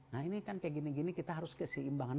nah ini kan seperti ini kita harus keseimbangan